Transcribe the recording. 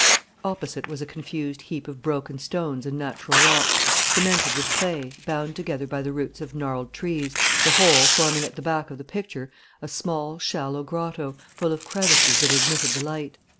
Opposite was a confused heap of broken stones and natural rocks, cemented with clay, bound together by the roots of gnarled trees, the whole forming at the back of the picture a small, shallow grotto, full of crevices that admitted the light.